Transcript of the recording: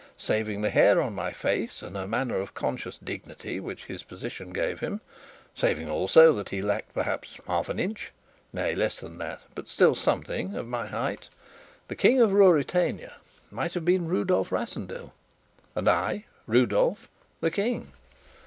Saving the hair on my face and a manner of conscious dignity which his position gave him, saving also that he lacked perhaps half an inch nay, less than that, but still something of my height, the King of Ruritania might have been Rudolf Rassendyll, and I, Rudolf, the King.